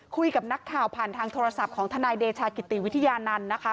คุยกับนักข่าวผ่านทางโทรศัพท์ของทนายเดชากิติวิทยานันต์นะคะ